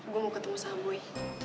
gue mau ketemu sama buy